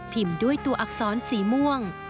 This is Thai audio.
พิมพ์ด้วยตัวอักษรสีม่วง